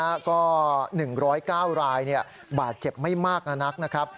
แล้วก็๑๐๙รายบาดเจ็บไม่มากนักนะครับ